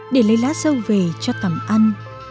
để lấy lá dâu về cho tầm ăn